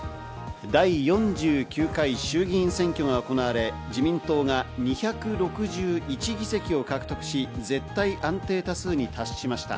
第４９回衆議院選挙が行われ、自民党が２６１議席を獲得し、絶対安定多数に達しました。